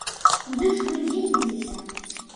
Куды ж вы дзенецеся?